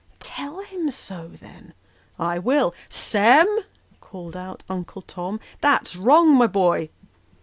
" Tell him so, then." " I will. Sem !" called out Uncle Tom, " that's wrong, my boy."